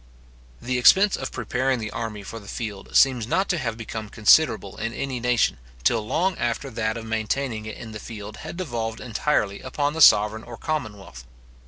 The expense of preparing the army for the field seems not to have become considerable in any nation, till long after that of maintaining it in the field had devolved entirely upon the sovereign or commonwealth.